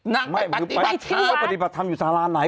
นั่งไปปฏิบัติธรรมปฏิบัติธรรมอยู่ศาลาไหน